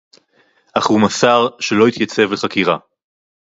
אך הוא מסר שלא יתייצב לחקירה